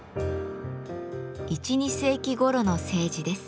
１２世紀ごろの青磁です。